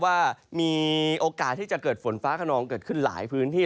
ว่ามีโอกาสที่จะเกิดฝนฟ้าขนองเกิดขึ้นหลายพื้นที่